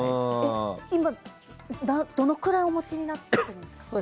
今、どのくらいお持ちになっているんですか？